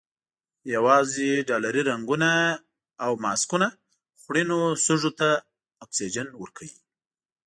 یوازې ډالري رنګونه او ماسکونه خوړینو سږیو ته اکسیجن ورکوي.